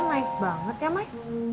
naif banget ya mai